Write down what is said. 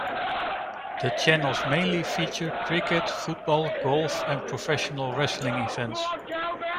The channels mainly feature Cricket, Football, Golf and Professional Wrestling events.